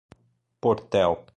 Portel